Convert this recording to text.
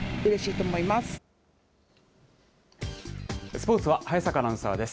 スポーツは早坂アナウンサーです。